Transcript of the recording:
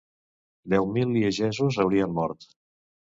Deu mil liegesos haurien mort.